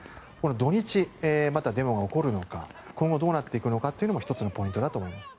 土日、またデモが起こるのか今後、どうなっていくのかが１つのポイントだと思います。